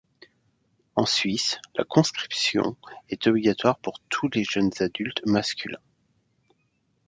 En Suisse, la conscription est obligatoire pour tous les jeunes adultes masculins.